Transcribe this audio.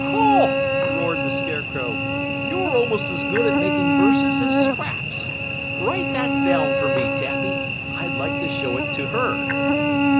"Ho!" roared the Scarecrow, "You're almost as good at making verses as Scraps, Write that down for me, Tappy. I'd like to show it to her."